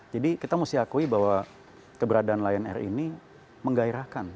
jadi kita mesti akui bahwa keberadaan lion air ini menggairahkan